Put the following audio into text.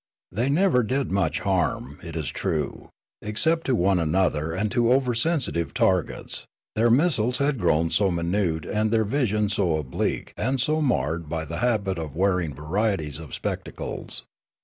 Thej^ never did much harm, it is true, except to one another and to oversensitive targets, their missiles had grown so minute and their vision so oblique and so marred by the habit of wearing varieties of spectacles.